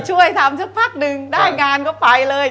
ช่วยทำสักพักหนึ่งได้งานก็ไปเลย